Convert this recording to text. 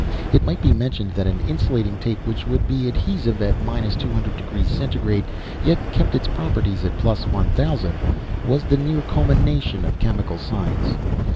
It might be mentioned that an insulating tape which would be adhesive at minus two hundred degrees centigrade yet keep its properties at plus one thousand, was the near culmination of chemical science.